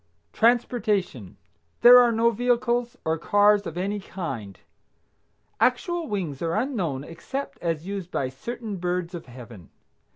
TRANSPORTATION. There are no vehicles or cars of any kind. Actual wings are unknown except as used by certain birds of Heaven.